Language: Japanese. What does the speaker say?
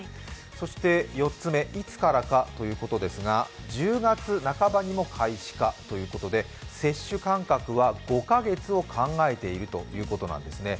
そして４つ目、いつからかということですが、１０月半ばにも開始ということで接種間隔は５カ月を考えているということです。